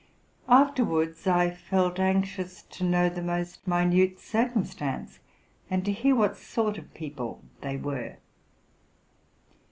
After wards I felt anxious to know the most minute circumstance, and to hear what sort of people they were.